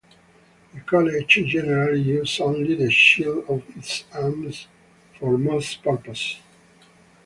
The college generally uses only the shield of its arms for most purposes.